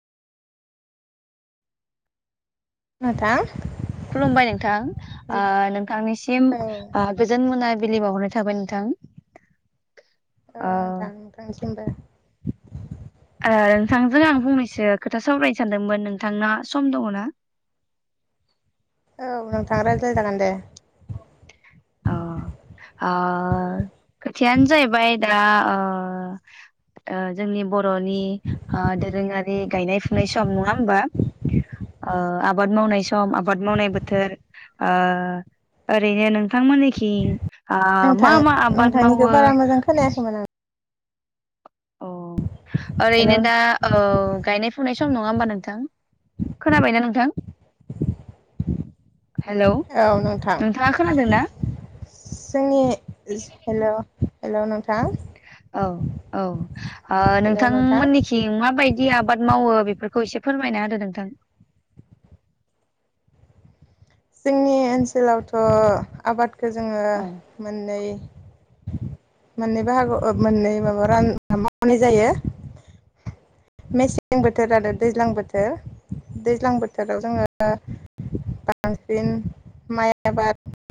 नोंथां खुलुमबाय नोंथां ओ हेल' नोंथांनिसिम औ ओ गोजोन मोना बिलि बावहरनाय थ थाबाय नोंथां औ ओ नोंथां नोंथांनिस सिमबो ओ नोंथांजों आं फंनैसो खोथा सावरायनो सानदोंमोन नोंथांना सम दङ' ना औ नोंथां रायज्लाय जागोन दे अ ओ खोथायानो जाहैबाय दा अ ओ जोंनि बर'नि ओ दोरोङारि गायनाय फुनाय सम नङा होमबा ओ आबाद मावनाय सम आबाद मावनाय बोथोर ओ ओरैनो नों नोंथां मोननिखि नोंथां नोंथांनिखो बारा मोजां खोनायाखैमोन आं अ हेल' ओरैनो दा ओ गायनाय फुनाय सम नङा होमबा नोंथां खोनाबायना नोंथां हेलौ औ नोंथां नोंथाङा खोनादोंना जोंनि ज हेल' हेलौ नोंथां औ औ ओ हेल' नोंथां नोंथांमोननिखि माबायदि आबाद मावो बेब फोरखौ इसे फोरमायना होदो नोंथां जोंनि ओनसोलावथ' आबाद खो जोङो औ मोननै मोननै बाहागोआव ओ मोननै माबा रान मावनाय जायो मेसें बोथोर आरो दैज्लां बोथोर दैज्लां बोथोराव जोङो बा बांसिन माइ आबाद